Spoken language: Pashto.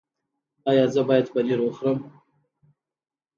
ایا زه باید پنیر وخورم؟